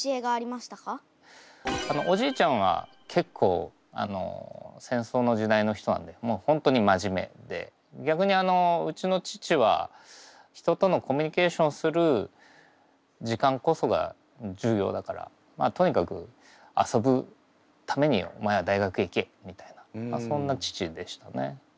おじいちゃんは結構戦争の時代の人なのでホントに真面目でぎゃくにうちの父は人とのコミュニケーションする時間こそが重要だからとにかく遊ぶためにお前は大学へ行けみたいなそんな父でしたね。